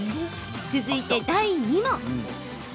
続いて、第２問。